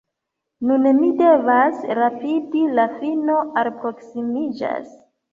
Nun mi devas rapidi; la fino alproksimiĝas.